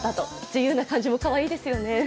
自由な感じもかわいいですよね。